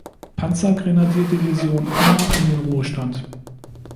Panzergrenadierdivision (Unna) in den Ruhestand.